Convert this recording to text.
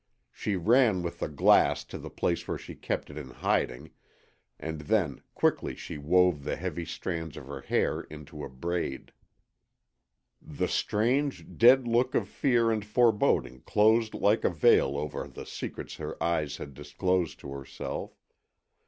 She ran with the glass to the place where she kept it in hiding, and then quickly she wove the heavy strands of her hair into a braid. The strange, dead look of fear and foreboding closed like a veil over the secrets her eyes had disclosed to herself.